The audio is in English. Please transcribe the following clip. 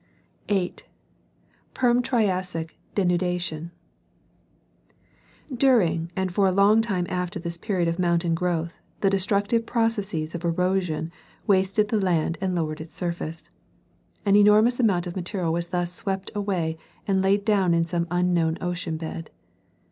8. Perm Triassic denudation. — During and for a long time after this period of mountain growth, the destructive processes of erosion wasted the land and lowered its surface. An enormous amount of material was thus swept away and laid down in some unknown ocean bed.